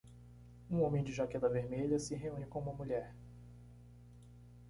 Um homem de jaqueta vermelha se reúne com uma mulher.